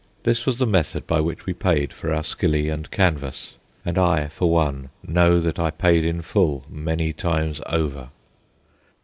This was the method by which we paid for our skilly and canvas, and I, for one, know that I paid in full many times over.